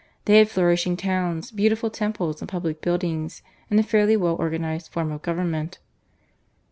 They had flourishing towns, beautiful temples and public buildings, and a fairly well organised form of government.